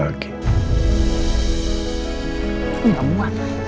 yang ada nanti kondisi mental mama memburuk lagi